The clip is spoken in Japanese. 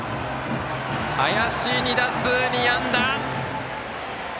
林、２打数２安打。